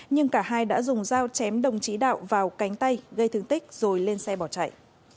nhưng cả hai đã dùng dao chém đồng chí đạo vào cánh tay gây thương tích rồi lên xe bỏ chạy